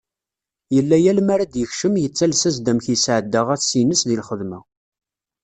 Yella yal mi ara d-yekcem yettales-as- d amek yesɛedda ass-ines di lxedma.